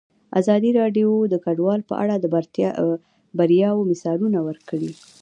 ازادي راډیو د کډوال په اړه د بریاوو مثالونه ورکړي.